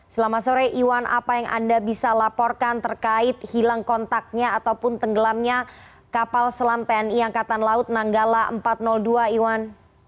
selama sore iwan apa yang anda bisa laporkan terkait hilang kontaknya ataupun tenggelamnya kapal selam tni angkatan laut nanggala empat ratus dua iwan